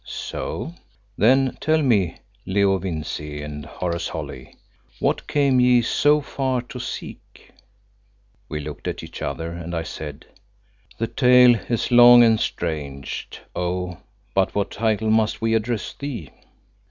"So. Then tell me, Leo Vincey and Horace Holly, what came ye so far to seek?" We looked at each other, and I said "The tale is long and strange. O but by what title must we address thee?"